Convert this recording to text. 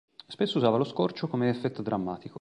Spesso usava lo scorcio come effetto drammatico.